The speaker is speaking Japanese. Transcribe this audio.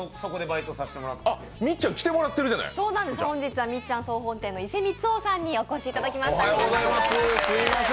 今日はみっちゃん総本店の井畝満夫さんにお越しいただきました。